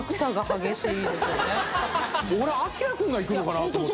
アキラ君が行くのかなと思った。